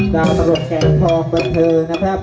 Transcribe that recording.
การรถแขกทองเบอร์เทิงนะครับ